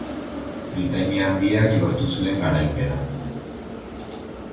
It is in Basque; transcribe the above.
Britainia Handiak lortu zuen garaipena.